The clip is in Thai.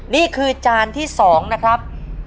นี่คือจานที่๒นะครับ